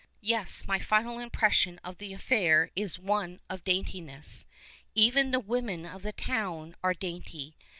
Yes, my final impression of tlie affair is one of daintiness. Even the women of the town arc dainty.